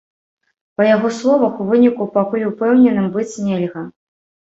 Па яго словах, у выніку пакуль упэўненым быць нельга.